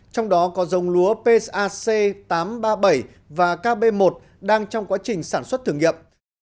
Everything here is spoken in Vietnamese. trong đó có dông lúa parc tám trăm ba mươi bảy và kb một đang trong quá trình sản xuất thử nghiệm